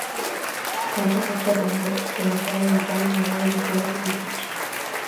Na outra porta rumbo e o pau evitaron o gol nun remate de Pichi.